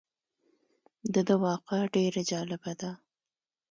دده واقعه ډېره جالبه ده.